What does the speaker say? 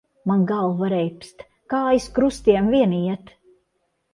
Man galva reibst, kājas krustiem vien iet.